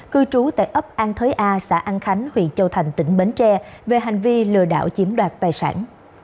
cư trú tại ấp an thới a xã an khánh huyện châu thành tỉnh bến tre về hành vi lừa đảo chiếm đoạt tài sản